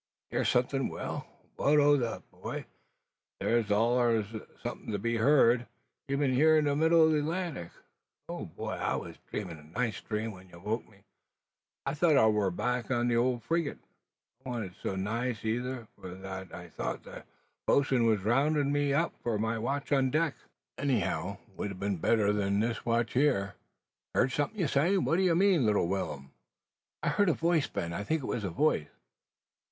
"Hear somethin'! Well, what o' that, boy? Theer 's allers somethin' to be heerd: even here, in the middle o' the Atlantic. Ah! boy, I was dreamin' a nice dream when ye woke me. I thought I war back on the ole frigate. 'T wa'nt so nice, eyther, for I thought the bos'n war roustin' me up for my watch on deck. Anyhow, would a been better than this watch here. Heerd something ye say? What d'ye mean, little Will'm?" "I heard a voice, Ben. I think it was a voice."